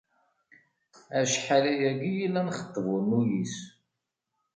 Acḥal ayagi i la nxeṭṭeb ur nuyis.